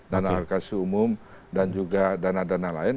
dana harga suhu umum dan juga dana dana lain